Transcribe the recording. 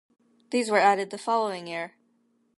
These were added the following year.